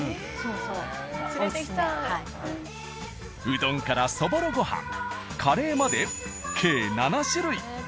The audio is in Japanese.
うどんからそぼろごはんカレーまで計７種類。